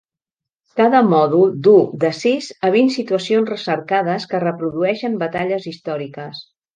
Cada mòdul du de sis a vint situacions recercades que reprodueixen batalles històriques.